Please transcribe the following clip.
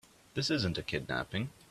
This isn't a kidnapping.